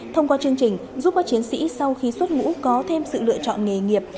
thông qua chương trình giúp các chiến sĩ sau khi xuất ngũ có thêm sự lựa chọn nghề nghiệp